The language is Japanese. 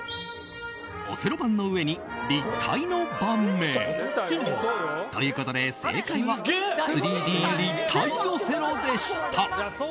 オセロ盤の上に立体の盤面！ということで正解は３Ｄ立体オセロでした。